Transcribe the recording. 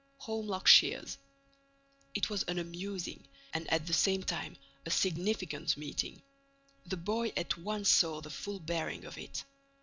"Holmlock Shears." It was an amusing and, at the same time, a significant meeting. The boy at once saw the full bearing of it.